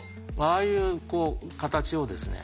ああいう形をですね